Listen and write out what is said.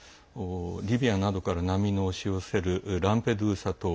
リビアなどから難民の押し寄せるランペドゥーサ島。